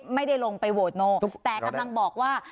ไม่ได้ลงไปโหวตโน่แต่กำลังบอกว่า